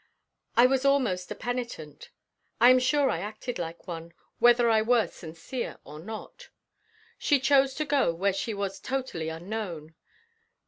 I was almost a penitent. I am sure I acted like one, whether I were sincere or not. She chose to go where she was totally unknown.